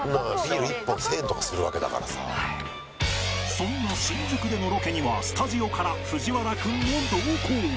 そんな新宿でのロケにはスタジオから藤原君も同行。